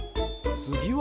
つぎは？